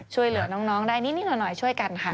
ช่วยเหลือน้องได้นิดหน่อยช่วยกันค่ะ